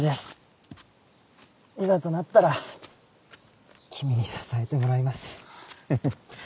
いざとなったら君に支えてもらいます。